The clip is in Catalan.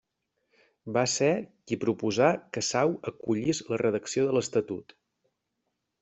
Va ser qui proposà que Sau acollís la redacció de l'Estatut.